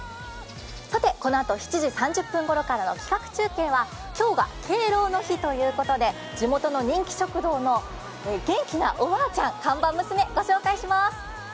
さて、このあと７時３０分ごろからの企画中継は今日が敬老の日ということで地元の人気食堂の元気なおばあちゃん、看板娘、ご紹介します。